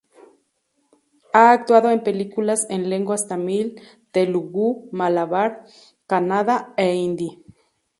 Ha actuado en películas en lenguas tamil, telugu, malabar, kannada e hindi.